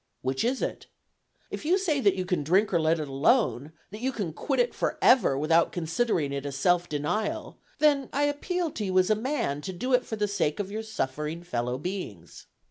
Which is it? If you say that you can drink or let it alone, that you can quit it forever without considering it a self denial, then I appeal to you as a man, to do it for the sake of your suffering fellow beings."